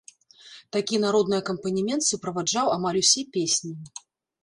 Такі народны акампанемент суправаджаў амаль усе песні.